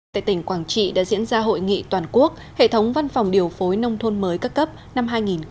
tại tỉnh quảng trị đã diễn ra hội nghị toàn quốc hệ thống văn phòng điều phối nông thôn mới các cấp năm hai nghìn một mươi chín